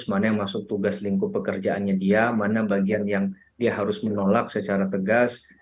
mana yang masuk tugas lingkup pekerjaannya dia mana bagian yang dia harus menolak secara tegas